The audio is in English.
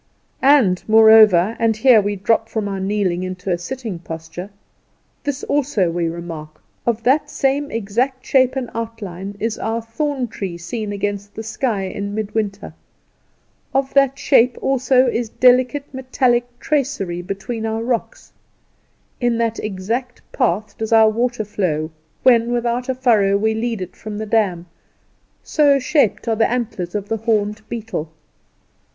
And, moreover and here we drop from our kneeling into a sitting posture this also we remark: of that same exact shape and outline is our thorn tree seen against the sky in mid winter: of that shape also is delicate metallic tracery between our rocks; in that exact path does our water flow when without a furrow we lead it from the dam; so shaped are the antlers of the horned beetle.